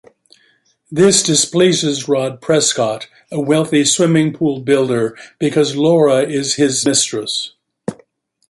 This displeases Rod Prescott, a wealthy swimming-pool builder, because Laura is his mistress.